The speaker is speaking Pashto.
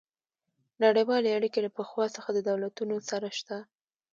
نړیوالې اړیکې له پخوا څخه د دولتونو سره شته